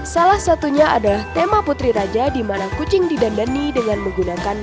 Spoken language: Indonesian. salah satunya adalah tema putri raja di mana kucing didandani dengan menggunakan